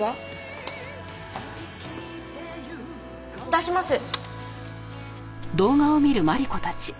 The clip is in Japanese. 出します。